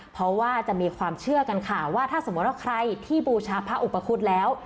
เพราะว่าจะมีความเชื่อกันค่ะว่าถ้าสมมติว่าใครที่บูชาพระอุปคุฎแล้ว